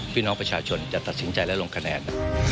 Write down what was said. พี่น้องประชาชนจะตัดสินใจและลงคะแนน